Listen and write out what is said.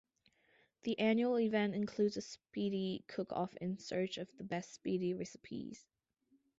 The annual event includes a spiedie cook-off in search of the best spiedie recipes.